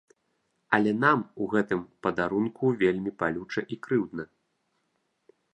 Але нам у гэтым падарунку вельмі балюча і крыўдна.